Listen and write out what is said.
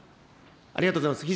ありがとうございます。